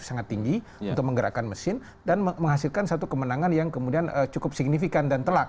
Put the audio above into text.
sangat tinggi untuk menggerakkan mesin dan menghasilkan satu kemenangan yang kemudian cukup signifikan dan telak